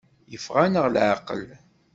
Yeffeɣ-aneɣ leɛqel.